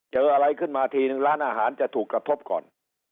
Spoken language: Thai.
เจออะไรขึ้นมาทีนึงร้านอาหารจะถูกกระทบก่อน